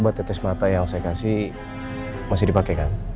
dua tetes mata yang saya kasih masih dipakai kan